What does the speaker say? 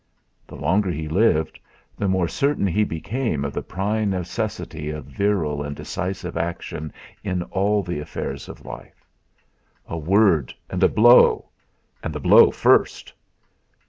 The longer he lived, the more certain he became of the prime necessity of virile and decisive action in all the affairs of life. A word and a blow and the blow first!